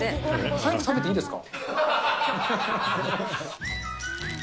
早く食べていいですか？